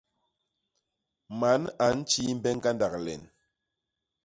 Man a ntjimbe ñgandak len.